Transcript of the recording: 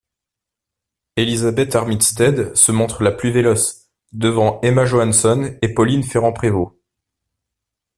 Elizabeth Armitstead se montre la plus véloce, devant Emma Johansson et Pauline Ferrand-Prévot.